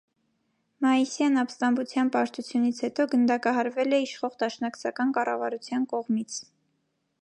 Մայիսյան ապստամբության պարտությունից հետո գնդակահարվել է իշխող դաշնակցական կառավարության կողմից։